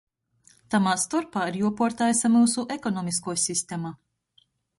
Tamā storpā ir juopuortaisa myusu ekonomiskuo sistema.